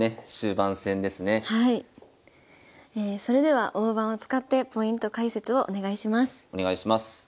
それでは大盤を使ってポイント解説をお願いします。